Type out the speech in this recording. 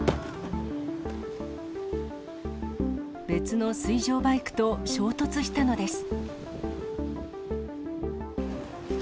別の水上バイクと衝突したのです。